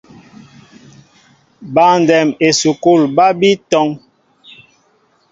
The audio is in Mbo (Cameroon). Băndɛm esukul ba bi tɔŋ.